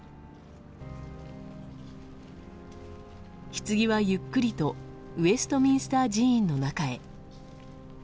ひつぎは、ゆっくりとウェストミンスター寺院の中へ。